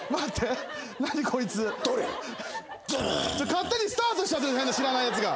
勝手にスタートしちゃってる変な知らないやつが。